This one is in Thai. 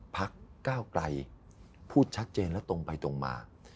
พักก้าวไกลพูดชัดเจนและตรงไปตรงมา